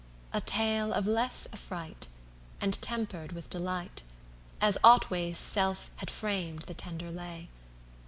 A tale of less affright, And tempered with delight, As Otway's self had framed the tender lay.